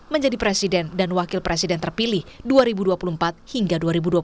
menjadi presiden dan wakil presiden terpilih dua ribu dua puluh empat hingga dua ribu dua puluh empat